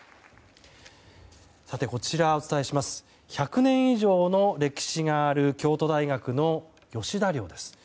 こちらは１００年以上の歴史を誇る京都大学の吉田寮です。